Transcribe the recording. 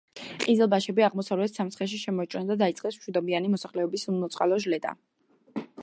ყიზილბაშები აღმოსავლეთ სამცხეში შემოიჭრნენ და დაიწყეს მშვიდობიანი მოსახლეობის უმოწყალო ჟლეტა.